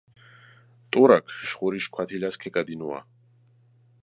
ტურაქ შხურიშ ქვათილას ქეკადინუა.